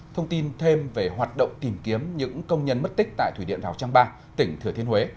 thông tin thêm về hoạt động tìm kiếm những công nhân mất tích tại thủy điện rào trang ba tỉnh thừa thiên huế